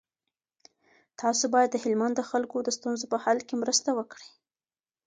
تاسو باید د هلمند د خلکو د ستونزو په حل کي مرسته وکړئ.